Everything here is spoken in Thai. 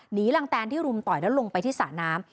รังแตนที่รุมต่อยแล้วลงไปที่สระน้ำ